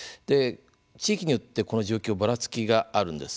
地域によってこの状況ばらつきがあるんです。